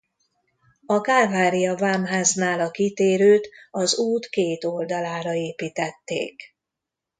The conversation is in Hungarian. A Kálvária-vámháznál a kitérőt az út két oldalára építették.